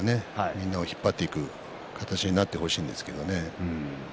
みんなを引っ張っていく形になってほしいですけどね。